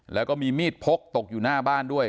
แล้วก็มีมีดพกตกอยู่หน้าบ้านด้วย